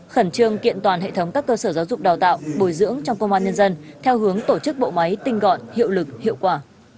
khẩn trương kiện toàn hệ thống các cơ sở giáo dục đào tạo bồi dưỡng trong công an nhân dân theo hướng tổ chức bộ máy tinh gọn hiệu lực hiệu quả